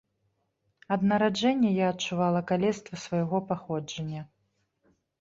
Ад нараджэння я адчувала калецтва свайго паходжання.